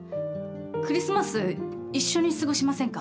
クリスマス一緒に過ごしませんか？